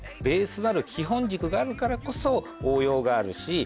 ベースとなる基本軸があるからこそ応用があるし。